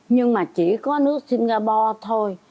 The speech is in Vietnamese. nhưng mà chỉ có nước singapore thôi